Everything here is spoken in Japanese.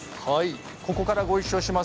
ここからご一緒します